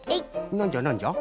なんじゃなんじゃ？